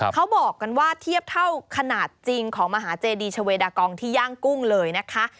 เขาบอกกันว่าเทียบเท่าขนาดจริงของมหาเจดีชาเวดากองที่ย่างกุ้งเลยนะคะ